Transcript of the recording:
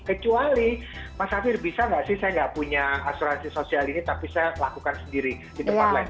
kecuali mas hafir bisa nggak sih saya nggak punya asuransi sosial ini tapi saya lakukan sendiri di tempat lain